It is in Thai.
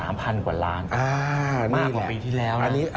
มากกว่าปีทีแล้วนะ